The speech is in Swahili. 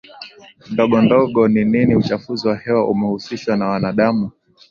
Ndogondogo ni nini Uchafuzi wa hewa umehusishwa na wanadamu